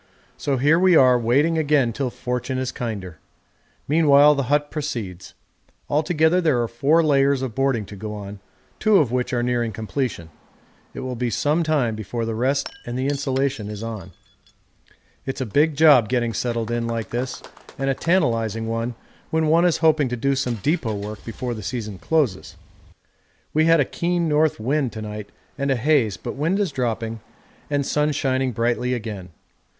So here we are waiting again till fortune is kinder. Meanwhile the hut proceeds; altogether there are four layers of boarding to go on, two of which are nearing completion; it will be some time before the rest and the insulation is on. It's a big job getting settled in like this and a tantalising one when one is hoping to do some depot work before the season closes. We had a keen north wind to night and a haze, but wind is dropping and sun shining brightly again.